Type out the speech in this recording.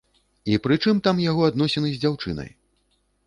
І прычым там яго адносіны з дзяўчынай?